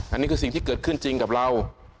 อันนี้คือสิ่งที่เกิดขึ้นจริงกับเรา